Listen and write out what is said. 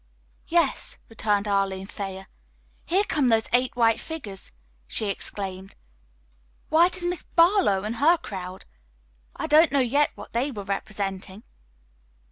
'" "Yes," returned Arline Thayer. "Here come those eight white figures!" she exclaimed. "Why, it is Miss Barlowe and her crowd. I don't know yet what they were representing."